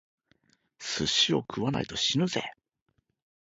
寿司を食わないと死ぬぜ！